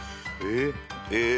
えっ。